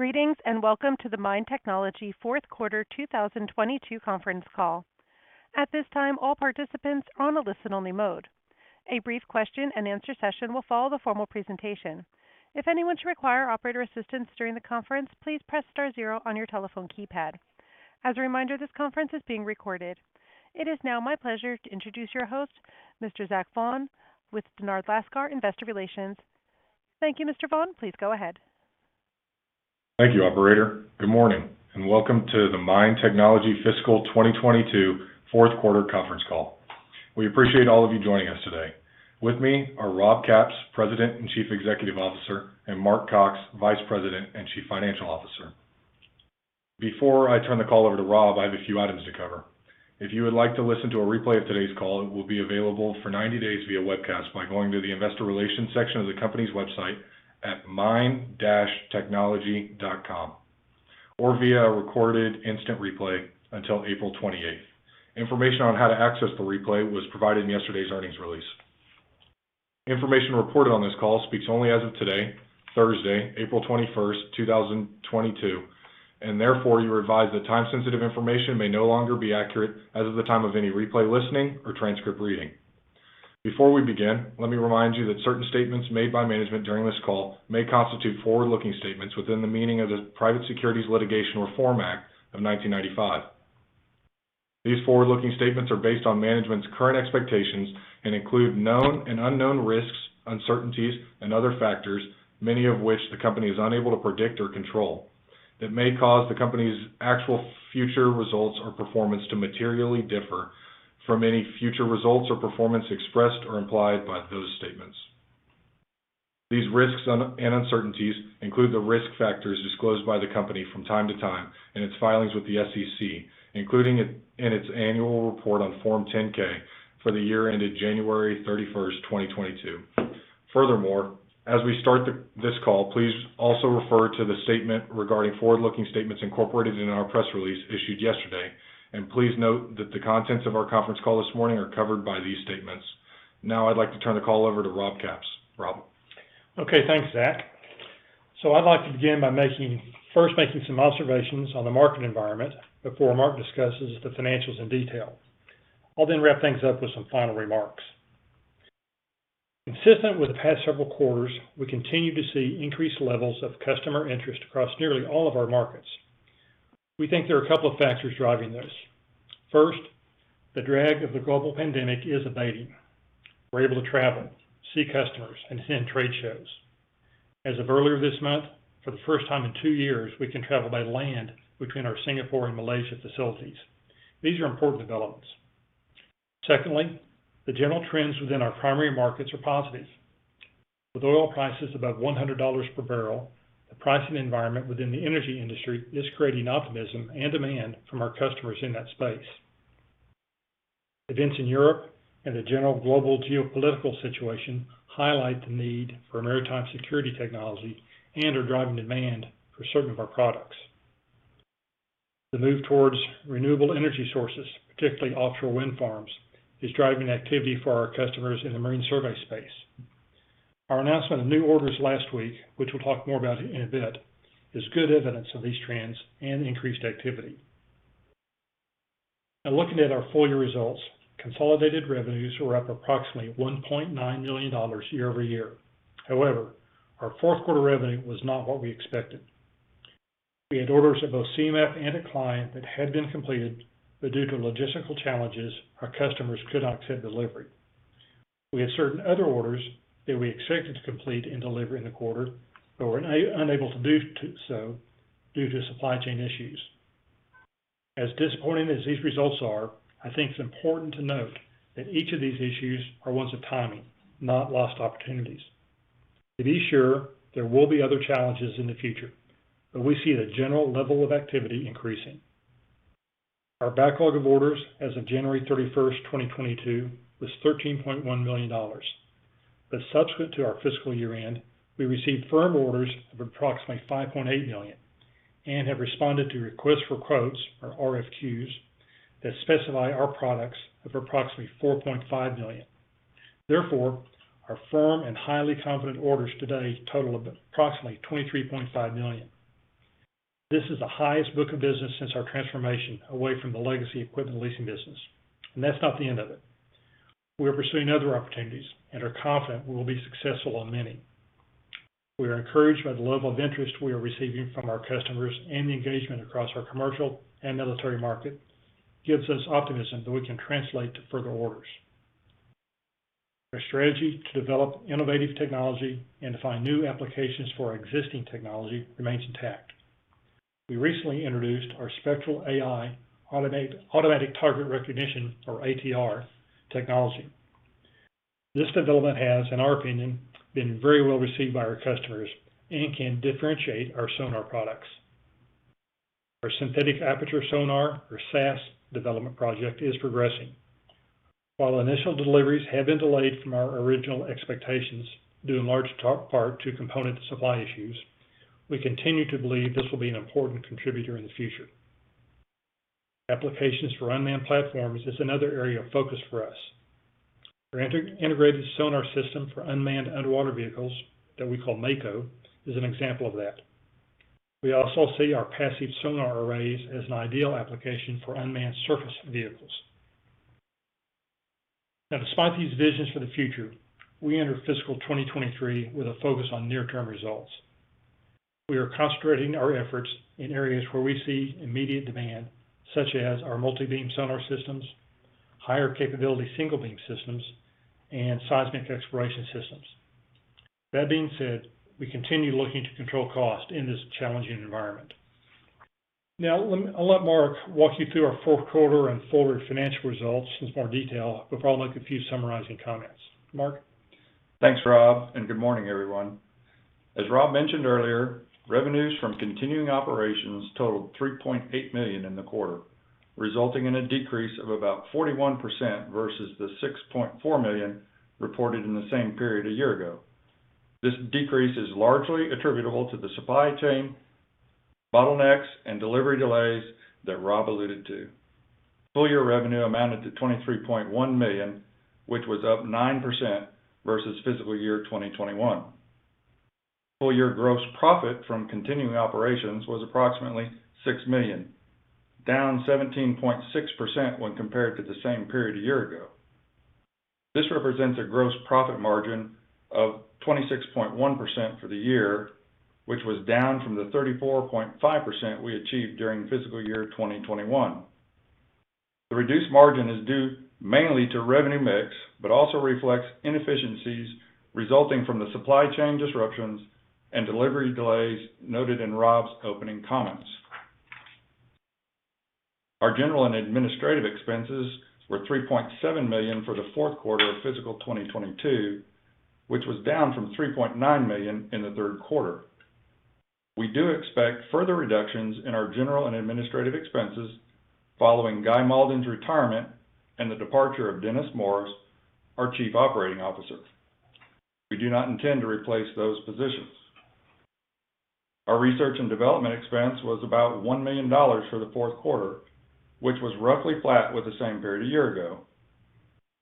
Greetings, and welcome to the MIND Technology fourth quarter 2022 conference call. At this time, all participants are on a listen-only mode. A brief question and answer session will follow the formal presentation. If anyone should require operator assistance during the conference, please press star zero on your telephone keypad. As a reminder, this conference is being recorded. It is now my pleasure to introduce your host, Mr. Zach Vaughan, with Dennard Lascar Investor Relations. Thank you, Mr. Vaughan. Please go ahead. Thank you, operator. Good morning, and welcome to the MIND Technology Fiscal 2022 fourth quarter conference call. We appreciate all of you joining us today. With me are Rob Capps, President and Chief Executive Officer, and Mark Cox, Vice President and Chief Financial Officer. Before I turn the call over to Rob, I have a few items to cover. If you would like to listen to a replay of today's call, it will be available for 90 days via webcast by going to the investor relations section of the company's website at mind-technology.com or via recorded instant replay until April 28th. Information on how to access the replay was provided in yesterday's earnings release. Information reported on this call speaks only as of today, Thursday, April 21, 2022, and therefore you're advised that time-sensitive information may no longer be accurate as of the time of any replay listening or transcript reading. Before we begin, let me remind you that certain statements made by management during this call may constitute forward-looking statements within the meaning of the Private Securities Litigation Reform Act of 1995. These forward-looking statements are based on management's current expectations and include known and unknown risks, uncertainties, and other factors, many of which the company is unable to predict or control, that may cause the company's actual future results or performance to materially differ from any future results or performance expressed or implied by those statements. These risks and uncertainties include the risk factors disclosed by the company from time to time in its filings with the SEC, including in its annual report on Form 10-K for the year ended January 31, 2022. Furthermore, as we start this call, please also refer to the statement regarding forward-looking statements incorporated in our press release issued yesterday, and please note that the contents of our conference call this morning are covered by these statements. Now I'd like to turn the call over to Rob Capps. Rob? Okay. Thanks, Zach. I'd like to begin by first making some observations on the market environment before Mark discusses the financials in detail. I'll then wrap things up with some final remarks. Consistent with the past several quarters, we continue to see increased levels of customer interest across nearly all of our markets. We think there are a couple of factors driving this. First, the drag of the global pandemic is abating. We're able to travel, see customers, attend trade shows. As of earlier this month, for the first time in two years, we can travel by land between our Singapore and Malaysia facilities. These are important developments. Secondly, the general trends within our primary markets are positive. With oil prices above $100 per barrel, the pricing environment within the energy industry is creating optimism and demand from our customers in that space. Events in Europe and the general global geopolitical situation highlight the need for maritime security technology and are driving demand for certain of our products. The move towards renewable energy sources, particularly offshore wind farms, is driving activity for our customers in the marine survey space. Our announcement of new orders last week, which we'll talk more about in a bit, is good evidence of these trends and increased activity. Now looking at our full year results, consolidated revenues were up approximately $1.9 million year-over-year. However, our fourth quarter revenue was not what we expected. We had orders at both Seamap and Klein that had been completed, but due to logistical challenges, our customers could not accept delivery. We had certain other orders that we expected to complete and deliver in the quarter, but were unable to do so due to supply chain issues. As disappointing as these results are, I think it's important to note that each of these issues are ones of timing, not lost opportunities. To be sure, there will be other challenges in the future, but we see the general level of activity increasing. Our backlog of orders as of January 31, 2022, was $13.1 million. Subsequent to our fiscal year-end, we received firm orders of approximately $5.8 million and have responded to requests for quotes, or RFQs, that specify our products of approximately $4.5 million. Therefore, our firm and highly confident orders today total approximately $23.5 million. This is the highest book of business since our transformation away from the legacy equipment leasing business. That's not the end of it. We are pursuing other opportunities and are confident we will be successful on many. We are encouraged by the level of interest we are receiving from our customers, and the engagement across our commercial and military market gives us optimism that we can translate to further orders. Our strategy to develop innovative technology and to find new applications for our existing technology remains intact. We recently introduced our Spectral AI, Automatic Target Recognition or ATR technology. This development has, in our opinion, been very well received by our customers and can differentiate our sonar products. Our synthetic aperture sonar or SAS development project is progressing. While initial deliveries have been delayed from our original expectations due in large part to component supply issues, we continue to believe this will be an important contributor in the future. Applications for unmanned platforms is another area of focus for us. Our integrated sonar system for unmanned underwater vehicles that we call Mako is an example of that. We also see our passive sonar arrays as an ideal application for unmanned surface vehicles. Despite these visions for the future, we enter fiscal 2023 with a focus on near-term results. We are concentrating our efforts in areas where we see immediate demand, such as our multi-beam sonar systems, higher capability single beam systems, and seismic exploration systems. That being said, we continue looking to control cost in this challenging environment. I'll let Mark walk you through our fourth quarter and full year financial results in some more detail with probably a few summarizing comments. Mark? Thanks, Rob, and good morning, everyone. As Rob mentioned earlier, revenues from continuing operations totaled $3.8 million in the quarter, resulting in a decrease of about 41% versus the $6.4 million reported in the same period a year ago. This decrease is largely attributable to the supply chain bottlenecks and delivery delays that Rob alluded to. Full year revenue amounted to $23.1 million, which was up 9% versus fiscal year 2021. Full year gross profit from continuing operations was approximately $6 million, down 17.6% when compared to the same period a year ago. This represents a gross profit margin of 26.1% for the year, which was down from the 34.5% we achieved during fiscal year 2021. The reduced margin is due mainly to revenue mix, but also reflects inefficiencies resulting from the supply chain disruptions and delivery delays noted in Rob's opening comments. Our general and administrative expenses were $3.7 million for the fourth quarter of fiscal 2022, which was down from $3.9 million in the third quarter. We do expect further reductions in our general and administrative expenses following Guy Mauldin's retirement and the departure of Dennis Morris, our Chief Operating Officer. We do not intend to replace those positions. Our research and development expense was about $1 million for the fourth quarter, which was roughly flat with the same period a year ago.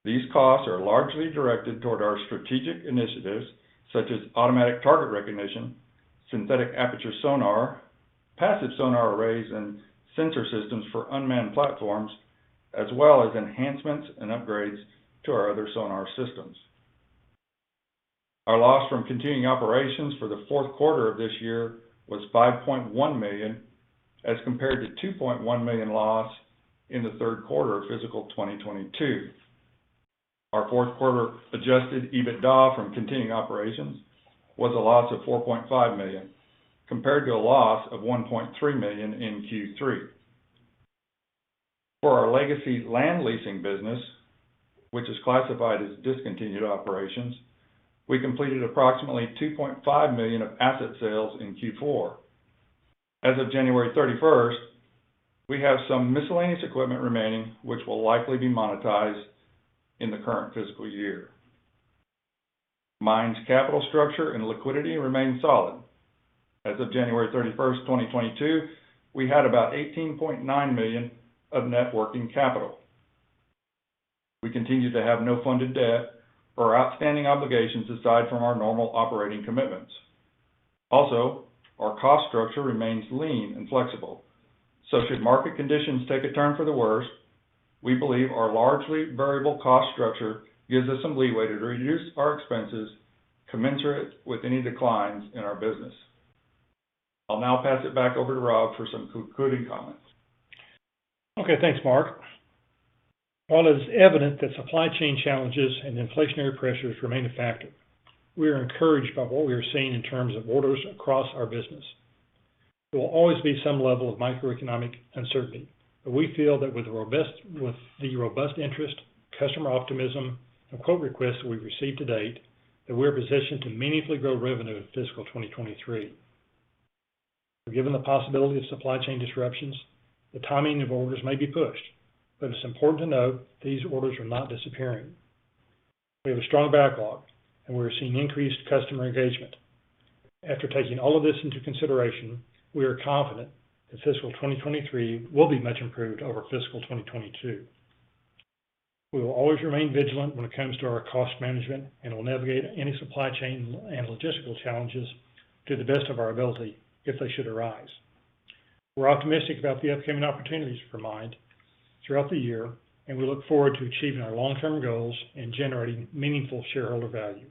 These costs are largely directed toward our strategic initiatives such as automatic target recognition, synthetic aperture sonar, passive sonar arrays, and sensor systems for unmanned platforms, as well as enhancements and upgrades to our other sonar systems. Our loss from continuing operations for the fourth quarter of this year was $5.1 million, as compared to $2.1 million loss in the third quarter of fiscal 2022. Our fourth quarter adjusted EBITDA from continuing operations was a loss of $4.5 million, compared to a loss of $1.3 million in Q3. For our legacy land leasing business, which is classified as discontinued operations, we completed approximately $2.5 million of asset sales in Q4. As of January 31st, we have some miscellaneous equipment remaining, which will likely be monetized in the current fiscal year. MIND's capital structure and liquidity remain solid. As of January 31, 2022, we had about $18.9 million of net working capital. We continue to have no funded debt or outstanding obligations aside from our normal operating commitments. Also, our cost structure remains lean and flexible. Should market conditions take a turn for the worse, we believe our largely variable cost structure gives us some leeway to reduce our expenses commensurate with any declines in our business. I'll now pass it back over to Rob for some concluding comments. Okay. Thanks, Mark. While it is evident that supply chain challenges and inflationary pressures remain a factor, we are encouraged by what we are seeing in terms of orders across our business. There will always be some level of microeconomic uncertainty, but we feel that with the robust interest, customer optimism, and quote requests that we've received to date, that we're positioned to meaningfully grow revenue in fiscal 2023. Given the possibility of supply chain disruptions, the timing of orders may be pushed, but it's important to note that these orders are not disappearing. We have a strong backlog, and we're seeing increased customer engagement. After taking all of this into consideration, we are confident that fiscal 2023 will be much improved over fiscal 2022. We will always remain vigilant when it comes to our cost management, and we'll navigate any supply chain and logistical challenges to the best of our ability if they should arise. We're optimistic about the upcoming opportunities for MIND throughout the year, and we look forward to achieving our long-term goals and generating meaningful shareholder value.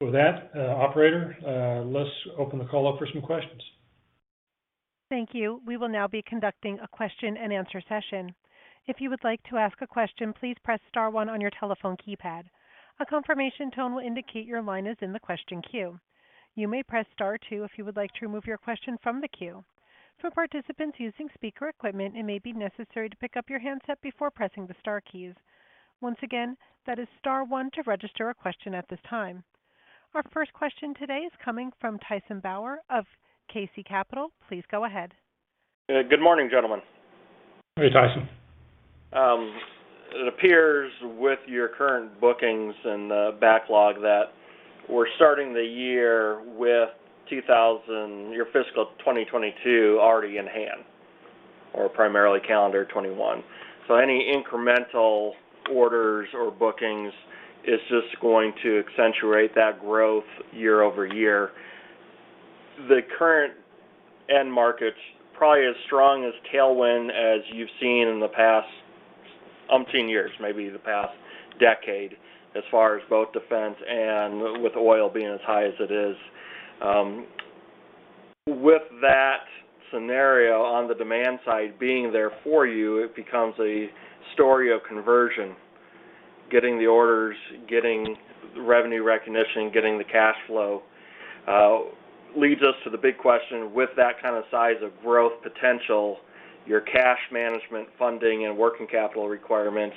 With that, operator, let's open the call up for some questions. Thank you. We will now be conducting a question and answer session. If you would like to ask a question, please press star one on your telephone keypad. A confirmation tone will indicate your line is in the question queue. You may press star two if you would like to remove your question from the queue. For participants using speaker equipment, it may be necessary to pick up your handset before pressing the star keys. Once again, that is star one to register a question at this time. Our first question today is coming from Tyson Bauer of KC Capital. Please go ahead. Yeah. Good morning, gentlemen. Hey, Tyson. It appears with your current bookings and the backlog that we're starting the year with your fiscal 2022 already in hand, or primarily calendar 2021. Any incremental orders or bookings is just going to accentuate that growth year-over-year. The current end markets probably as strong a tailwind as you've seen in the past umpteen years, maybe the past decade, as far as both defense and with oil being as high as it is. With that scenario on the demand side being there for you, it becomes a story of conversion, getting the orders, getting revenue recognition, getting the cash flow. Leads us to the big question, with that kind of size of growth potential, your cash management funding and working capital requirements,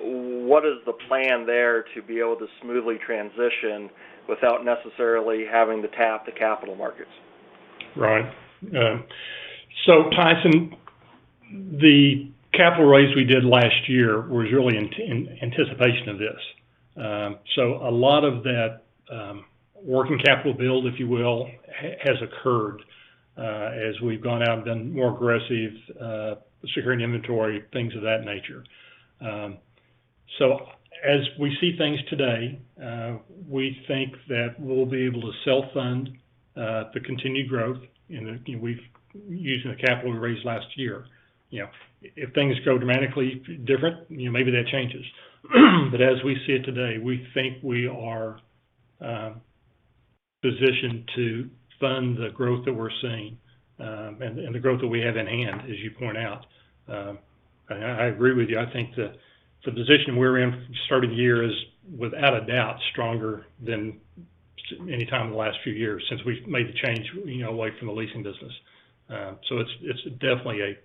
what is the plan there to be able to smoothly transition without necessarily having to tap the capital markets? Right. Tyson, the capital raise we did last year was really in anticipation of this. A lot of that working capital build, if you will, has occurred as we've gone out and done more aggressive securing inventory, things of that nature. As we see things today, we think that we'll be able to self-fund the continued growth using the capital we raised last year. You know, if things go dramatically different, you know, maybe that changes. As we see it today, we think we are positioned to fund the growth that we're seeing and the growth that we have in hand, as you point out. I agree with you. I think the position we're in starting the year is, without a doubt, stronger than any time in the last few years since we've made the change, you know, away from the leasing business. It's definitely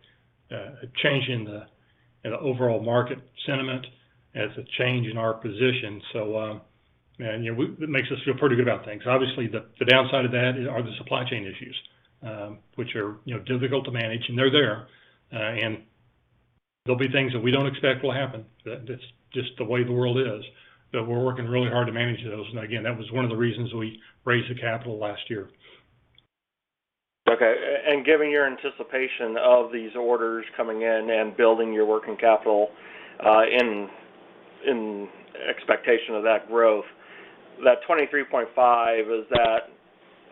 a change in the overall market sentiment, and it's a change in our position. You know, it makes us feel pretty good about things. Obviously, the downside of that are the supply chain issues, which are, you know, difficult to manage, and they're there. There'll be things that we don't expect will happen. That's just the way the world is. We're working really hard to manage those. Again, that was one of the reasons we raised the capital last year. Okay. And given your anticipation of these orders coming in and building your working capital, in expectation of that growth, that 23.5, is that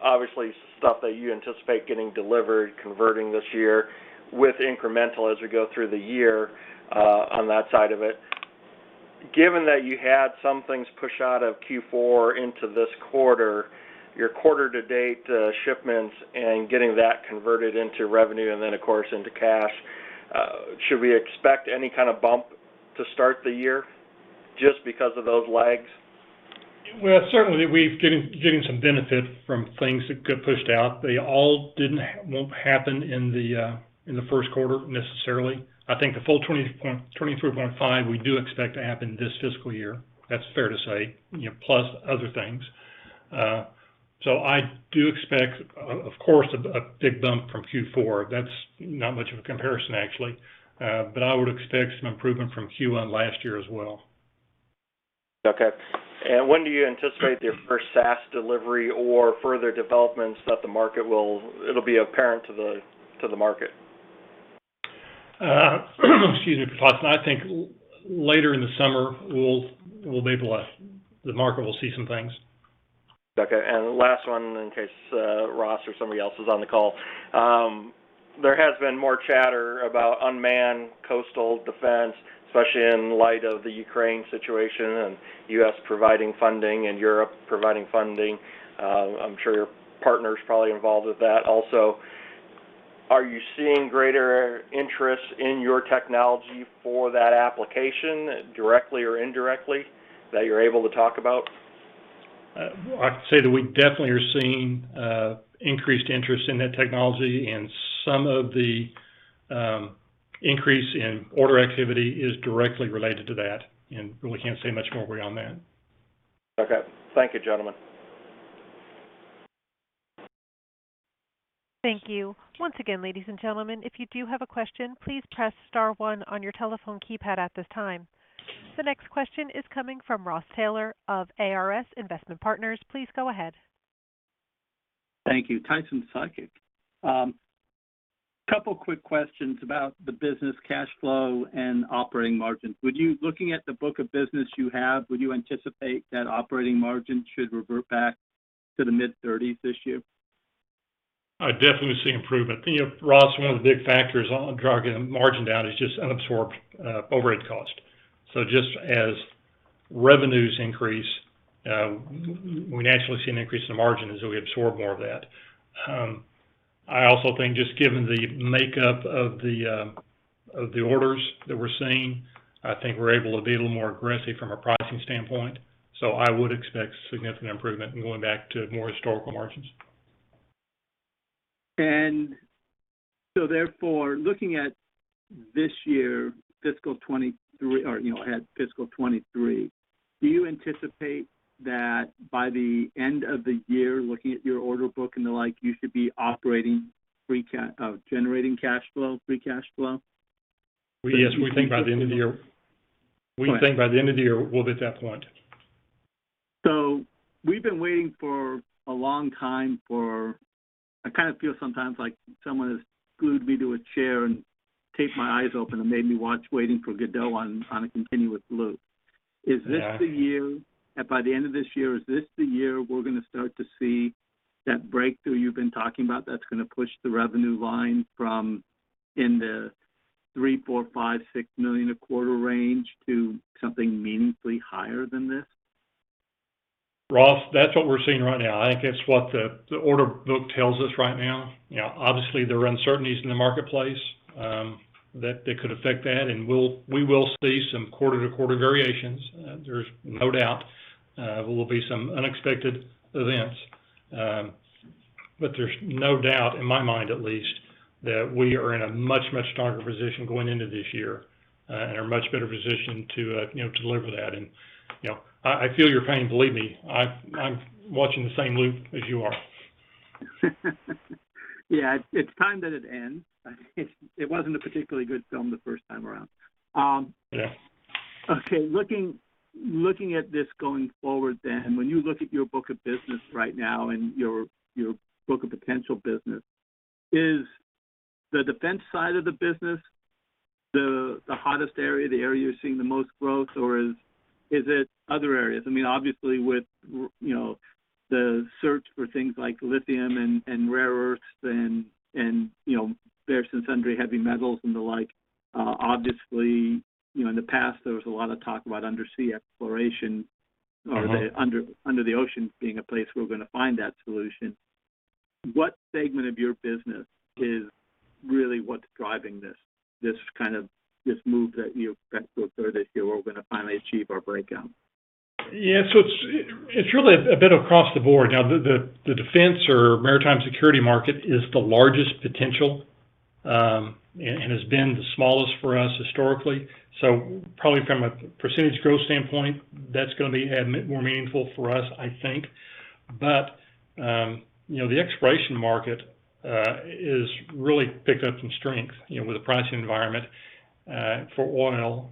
obviously stuff that you anticipate getting delivered, converting this year with incremental as we go through the year, on that side of it? Given that you had some things push out of Q4 into this quarter, your quarter to date, shipments and getting that converted into revenue and then, of course, into cash, should we expect any kind of bump to start the year just because of those lags? Well, certainly we're getting some benefit from things that got pushed out. They all won't happen in the first quarter necessarily. I think the full $23.5, we do expect to happen this fiscal year. That's fair to say, you know, plus other things. I do expect, of course, a big bump from Q4. That's not much of a comparison, actually. I would expect some improvement from Q1 last year as well. Okay. When do you anticipate your first SaaS delivery or further developments that it'll be apparent to the market? Excuse me, Tyson. I think later in the summer, we'll be blessed. The market will see some things. Okay. Last one, in case Ross or somebody else is on the call. There has been more chatter about unmanned coastal defense, especially in light of the Ukraine situation and U.S. providing funding and Europe providing funding. I'm sure your partner is probably involved with that also. Are you seeing greater interest in your technology for that application, directly or indirectly, that you're able to talk about? I can say that we definitely are seeing increased interest in that technology, and some of the increase in order activity is directly related to that, and really can't say much more beyond that. Okay. Thank you, gentlemen. Thank you. Once again, ladies and gentlemen, if you do have a question, please press star one on your telephone keypad at this time. The next question is coming from Ross Taylor of ARS Investment Partners. Please go ahead. Thank you. Rob and Mark. Couple quick questions about the business cash flow and operating margin. Looking at the book of business you have, would you anticipate that operating margin should revert back to the mid-30s% this year? I definitely see improvement. You know, Ross, one of the big factors of driving margin down is just unabsorbed overhead cost. Just as revenues increase, we naturally see an increase in the margin as we absorb more of that. I also think just given the makeup of the orders that we're seeing, I think we're able to be a little more aggressive from a pricing standpoint. I would expect significant improvement in going back to more historical margins. Therefore, looking at this year, fiscal 2023, do you anticipate that by the end of the year, looking at your order book and the like, you should be generating cash flow, free cash flow? Well, yes, we think by the end of the year. We think by the end of the year we'll be at that point. We've been waiting for a long time for. I kind of feel sometimes like someone has glued me to a chair and taped my eyes open and made me watch Waiting for Godot on a continuous loop. Yeah. Is this the year that by the end of this year, we're gonna start to see that breakthrough you've been talking about that's gonna push the revenue line from the $3 million-$6 million a quarter range to something meaningfully higher than this? Ross, that's what we're seeing right now. I think that's what the order book tells us right now. You know, obviously, there are uncertainties in the marketplace that could affect that. We will see some quarter-to-quarter variations. There's no doubt there will be some unexpected events. There's no doubt, in my mind at least, that we are in a much stronger position going into this year and are much better positioned to, you know, deliver that. You know, I feel your pain. Believe me, I'm watching the same loop as you are. Yeah. It's time that it ends. It wasn't a particularly good film the first time around. Yeah. Okay. Looking at this going forward then, when you look at your book of business right now and your book of potential business, is the defense side of the business the hottest area, the area you're seeing the most growth, or is it other areas? I mean, obviously with, you know, the search for things like lithium and rare earths and, you know, various and sundry heavy metals and the like, obviously, you know, in the past there was a lot of talk about undersea exploration or under the ocean being a place we're gonna find that solution. What segment of your business is really what's driving this kind of this move that you expect to occur this year, we're gonna finally achieve our breakout? Yeah. It's really a bit across the board. Now, the defense or maritime security market is the largest potential, and has been the smallest for us historically. Probably from a percentage growth standpoint, that's gonna be more meaningful for us, I think. You know, the exploration market is really picked up some strength, you know, with the pricing environment for oil.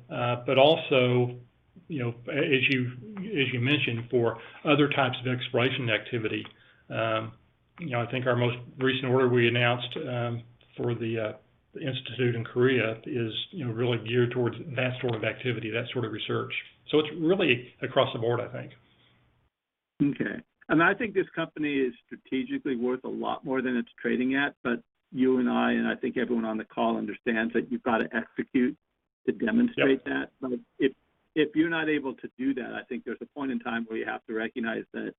Also, you know, as you mentioned, for other types of exploration activity. You know, I think our most recent order we announced for the institute in Korea is really geared towards that sort of activity, that sort of research. It's really across the board, I think. Okay. I think this company is strategically worth a lot more than it's trading at, but you and I, and I think everyone on the call understands that you've got to execute to demonstrate that. Yeah. If you're not able to do that, I think there's a point in time where you have to recognize that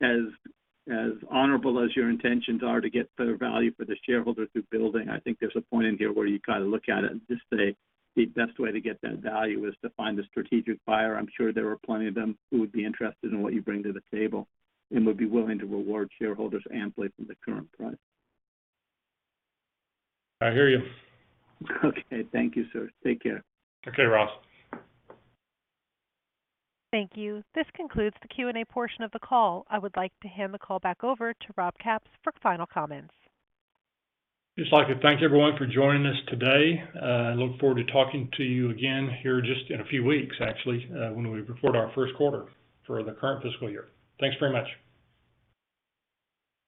as honorable as your intentions are to get better value for the shareholder through building, I think there's a point in here where you've got to look at it and just say, "The best way to get that value is to find a strategic buyer." I'm sure there are plenty of them who would be interested in what you bring to the table and would be willing to reward shareholders amply from the current price. I hear you. Okay. Thank you, sir. Take care. Okay, Ross. Thank you. This concludes the Q and A portion of the call. I would like to hand the call back over to Rob Capps for final comments. just like to thank everyone for joining us today. I look forward to talking to you again here just in a few weeks, actually, when we report our first quarter for the current fiscal year. Thanks very much.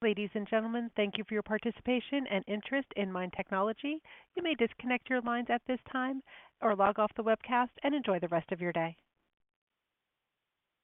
Ladies and gentlemen, thank you for your participation and interest in MIND Technology. You may disconnect your lines at this time or log off the webcast and enjoy the rest of your day.